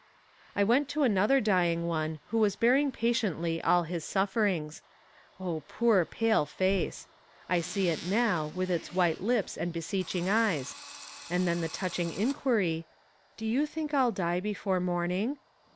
I went to another dying one who was bearing patiently all his sufferings. Oh, poor pale face! I see it now, with its white lips and beseeching eyes; and then the touching inquiry, "Do you think I'll die before morning?"